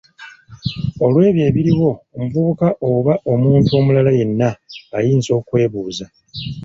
Olw'ebyo ebiriwo omuvubuka oba omuntu omulala yenna ayinza okwebuuza.